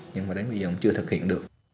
nhưng mà đến bây giờ cũng chưa thực hiện được